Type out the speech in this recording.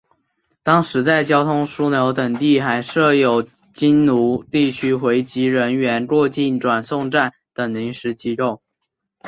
当时在交通枢纽等地还设有京沪地区回籍人员过境转送站等临时机构。